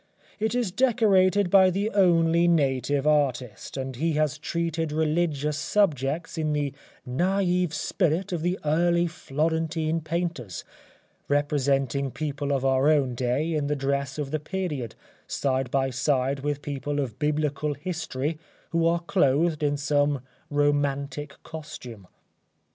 It is decorated by the only native artist, and he has treated religious subjects in the naive spirit of the early Florentine painters, representing people of our own day in the dress of the period side by side with people of Biblical history who are clothed in some romantic costume.